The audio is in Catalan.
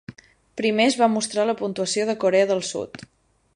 Primer es va mostrar la puntuació de Corea del Sud.